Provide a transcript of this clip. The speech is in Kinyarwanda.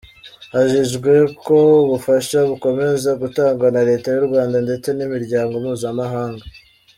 Hijejwe ko ubufasha bukomeza gutangwa na Leta y’u Rwanda ndetse n’imiryango mpuzamahanga.